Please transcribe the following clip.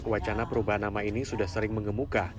wacana perubahan nama ini sudah sering mengemuka